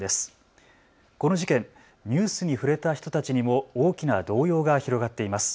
ニュースに触れた人たちにも大きな動揺が広がっています。